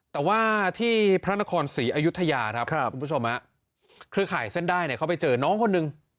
แต่ว่าที่พระนครศรีอยุธยาครับคุณผู้ชมเครือข่ายเส้นได้เนี่ยเขาไปเจอน้องคนหนึ่ง